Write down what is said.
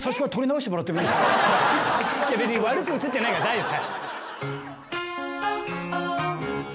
悪く映ってないから大丈夫です。